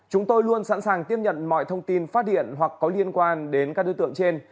chúng tôi luôn sẵn sàng tiếp nhận mọi thông tin phát điện hoặc có liên quan đến các đối tượng trên